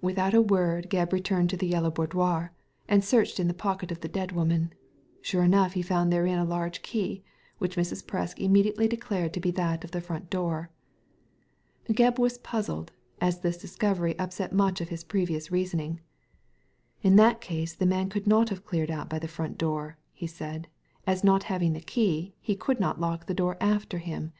Without a word Gebb returned to the Yellow Boudoir, and searched in the pocket of the dead woman. Sure enough he found therein a large key which Mrs. Presk immediately declared to be that of the front door. Gebb was puzzled, as this discovery upset much of his previous reasoning. " In that case the man could not have cleared out by the front," he said, "as not having the key he could not lock the door after him.